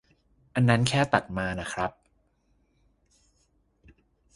อันนั้นแค่ตัดมาน่ะครับ